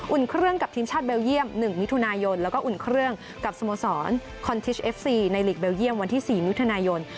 เครื่องกับทีมชาติเบลเยี่ยม๑มิถุนายนแล้วก็อุ่นเครื่องกับสโมสรคอนทิชเอฟซีในหลีกเลเยี่ยมวันที่๔มิถุนายน